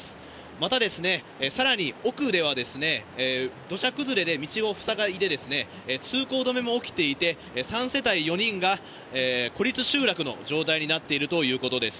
また、更に奥では土砂崩れで道をふさいで通行止めも起きていて３世帯４人が孤立集落の状態になっているということです。